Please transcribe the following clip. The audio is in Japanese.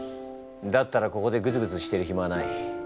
だったらここでぐずぐずしてるひまはない。